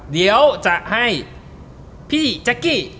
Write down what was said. เดี๋ยวจะให้พี่แจ๊กกี้